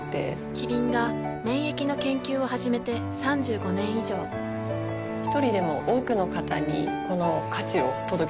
キリンが免疫の研究を始めて３５年以上一人でも多くの方にこの価値を届けていきたいと思っています。